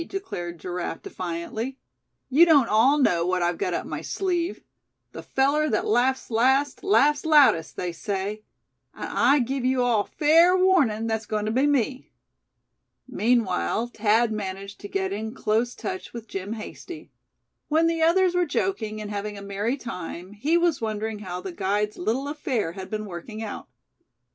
declared Giraffe, defiantly. "You don't all know what I've got up my sleeve. The feller that laughs last laughs loudest, they say. And I give you all fair warning that's going to be me." Meanwhile Thad managed to get in close touch with Jim Hasty. When the others were joking, and having a merry time, he was wondering how the guide's little affair had been working out.